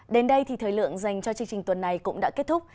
đến đây thì thời lượng dành cho chương trình tuần này cũng đã kết thúc